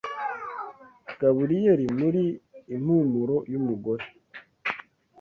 Gaburiyeri muri "Impumuro yumugore"